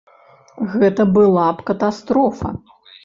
Гэта была б катастрофа.